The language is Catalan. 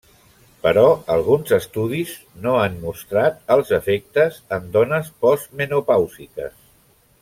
Però alguns estudis no han mostrat els efectes en dones postmenopàusiques.